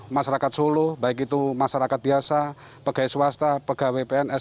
masyarakat solo baik itu masyarakat biasa pegawai swasta pegawai pns